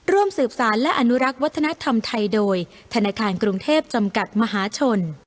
ร่วมสืบสารและอนุรักษ์วัฒนธรรมไทยโดยธนาคารกรุงเทพจำกัดมหาชน